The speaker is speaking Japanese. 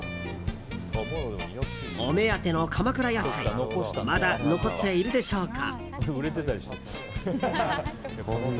お目当ての鎌倉野菜まだ残っているでしょうか。